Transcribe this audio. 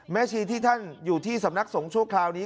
ชีที่ท่านอยู่ที่สำนักสงฆ์ชั่วคราวนี้